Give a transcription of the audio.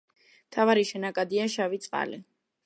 მთავარი შენაკადია შავი წყალი.